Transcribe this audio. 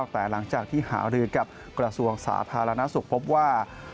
แต่หลังจากที่หารือกับกระทรวงสาธารณสุขพบว่า